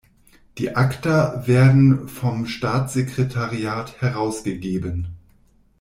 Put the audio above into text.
Die Acta werden vom Staatssekretariat herausgegeben.